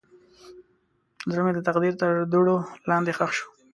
زړه مې د تقدیر تر دوړو لاندې ښخ شو.